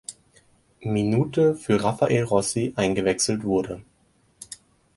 Minute für Raphael Rossi eingewechselt wurde.